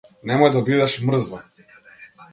Немој да бидеш мрза.